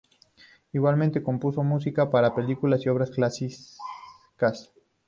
Igualmente, compuso música para películas y obras clásicas.